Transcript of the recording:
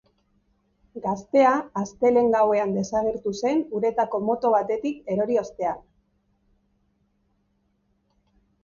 Gaztea astelehen gauean desagertu zen uretako moto batetik erori ostean.